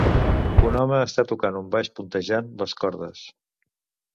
Un home està tocant un baix puntejant les cordes.